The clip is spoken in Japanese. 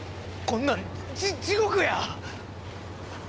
こんなんじっ地獄や。